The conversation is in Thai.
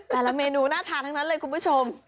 แต่ละเมนูน่าทานทั้งนั้นเลยคุณผู้ชม